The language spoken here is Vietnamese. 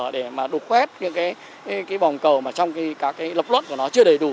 để mà đục khuét những cái bòng cầu mà trong cái lập luận của nó chưa đầy đủ